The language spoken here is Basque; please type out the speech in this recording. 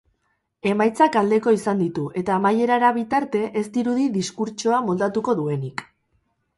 Emaitzak aldeko izan ditu eta amaierara bitarte ez dirudi diskurtsoa moldatuko duenik.